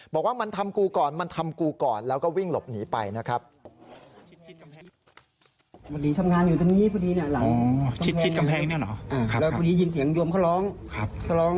บอกว่ามันทำกูก่อนมันทำกูก่อนแล้วก็วิ่งหลบหนีไปนะครับ